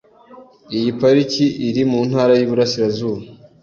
Iyi Pariki iri mu Ntara y’Iburasirazuba